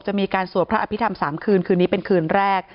จะมีการสวดพระอภิษฐรรม๓คืนคืนนี้เป็นคืนแรก